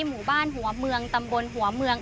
หมู่บ้านหัวเมืองตำบลหัวเมือง